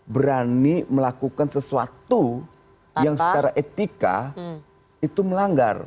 berani melakukan sesuatu yang secara etika itu melanggar